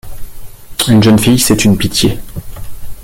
Une jeune fille, c’est une pitié.